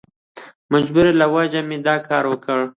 د مجبورۍ له وجهې مې دا کار وکړ.